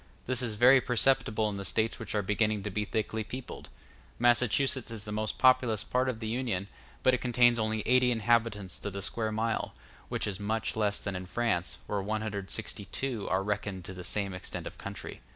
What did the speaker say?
*c This is very perceptible in the States which are beginning to be thickly peopled; Massachusetts is the most populous part of the Union, but it contains only eighty inhabitants to the square mile, which is must less than in France, where 162 are reckoned to the same extent of country.